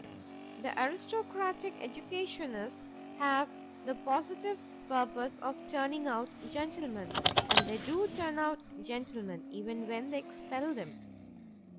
The aristocratic educationists have the positive purpose of turning out gentlemen, and they do turn out gentlemen, even when they expel them.